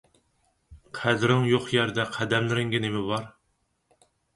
قەدرىڭ يوق يەردە قەدەملىرىڭگە نېمە بار؟